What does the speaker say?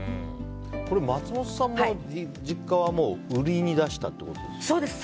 これ、松本さんも実家は売りに出したってことですか。